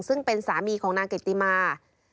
ซึ่งเป็นสามีของนางเกติมา